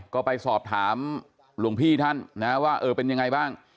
ก็ไปสอบถามหลวงพี่ท่านนะว่าเออเป็นยังไงบ้าง